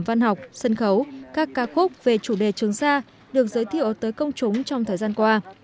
văn học sân khấu các ca khúc về chủ đề trường sa được giới thiệu tới công chúng trong thời gian qua